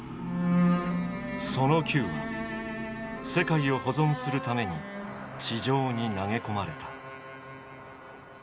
その球は「世界を保存」するために地上に投げ込まれた。